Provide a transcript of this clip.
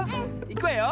いくわよ。